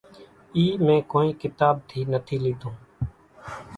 اِي مين ڪونئين ڪتاٻ ٿي نٿي ليڌون